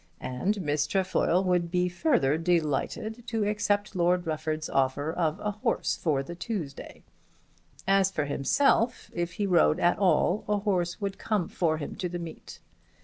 And Miss Trefoil would be further delighted to accept Lord Rufford's offer of a horse for the Tuesday. As for himself, if he rode at all, a horse would come for him to the meet.